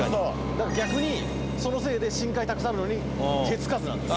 逆にそのせいで深海たくさんの海手付かずなんです。